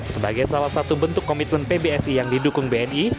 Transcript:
sebagai salah satu bentuk komitmen pbsi yang didukung bni